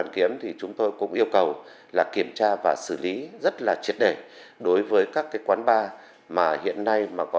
kiểm tra và xử lý đối với các trường hợp này